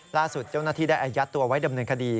ล่าสุดเจ้าหน้าที่ได้อายัดตัวไว้ดำเนินคดี